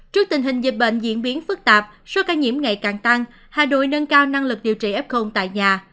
trước tình hình dịch bệnh diễn biến phức tạp số ca nhiễm ngày càng tăng hà nội nâng cao năng lực điều trị f tại nhà